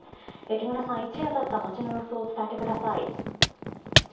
木村さん、一夜経った街の様子を伝えてください。